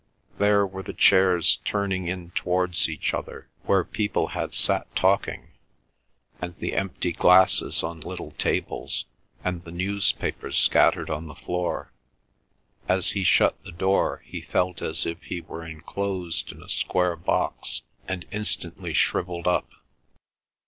There were the chairs turning in towards each other where people had sat talking, and the empty glasses on little tables, and the newspapers scattered on the floor. As he shut the door he felt as if he were enclosed in a square box, and instantly shrivelled up.